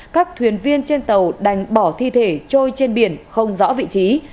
các thuyền viên trên tàu đành bỏ thi thể trôi trên biển không rõ vị trí